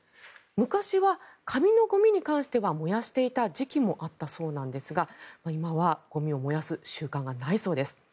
昔は紙のゴミに関しては燃やしていた時期もあったそうなんですが今はゴミを燃やす習慣がないそうです。